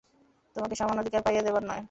তোমাকে সমান অধিকার পাইয়ে দেবার নয়।